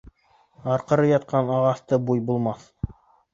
Арҡыры ятҡан ағасты буй һалмаҫ.